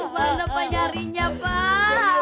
mana pak nyarinya pak